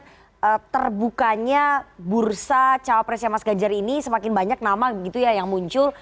dengan terbukanya bursa cawapresnya mas ganjar ini semakin banyak nama gitu ya yang muncul